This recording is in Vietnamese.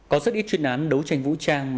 có rất ít chuyên án đấu tranh vũ trang